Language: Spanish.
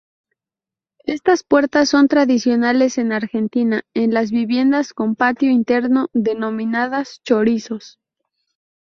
Estas puertas son tradicionales en Argentina, en las viviendas con patio interno denominadas "chorizos".